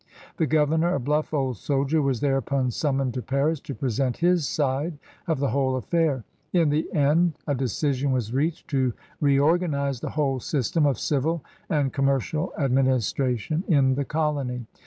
The governor, a bluff old soldier, was thereupon summoned to Paris to present his side of the whole affair. In the end a decision was reached to reorganize the whole system of civil and com mercial administration in the colony.